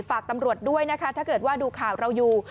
ฝากตำรวจด้วยนะคะถ้าเกิดว่าดูข่าวเราอยู่